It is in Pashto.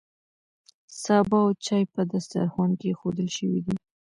سابه او چای په دسترخوان کې ایښودل شوي دي.